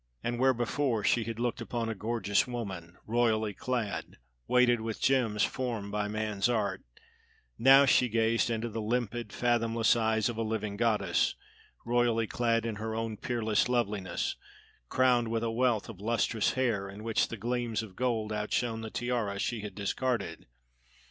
And where before she had looked upon a gorgeous woman, royally clad, weighted with gems formed by man's art, now she gazed into the limpid, fathomless eyes of a living goddess royally clad in her own peerless loveliness, crowned with a wealth of lustrous hair in which the gleams of gold outshone the tiara she had discarded.